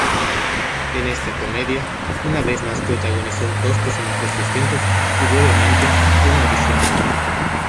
En esta comedia una vez más protagonizó dos personajes distintos y brevemente, uno adicional.